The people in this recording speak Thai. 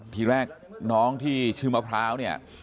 ทีแรกน้องที่ชื่อมะพร้าวเนี่ย